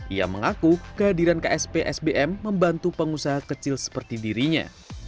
ia mengaku kehadiran ksp sbm membantu pengusaha kecil seperti dirinya